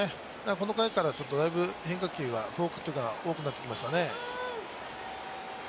この回からだいぶ変化球はフォーク多くなってきましたね。